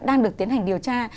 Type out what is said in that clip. đang được tiến hành điều tra